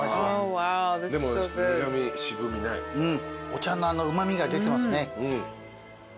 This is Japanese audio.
お茶のあのうま味が出てますね。